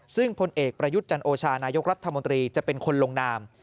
ซึ่งพลเอกประยุทธ์จันโอชานายกรัฐมนตรีจะเป็นคนลงนาม